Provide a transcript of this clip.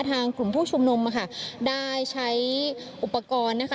กลุ่มผู้ชุมนุมค่ะได้ใช้อุปกรณ์นะคะ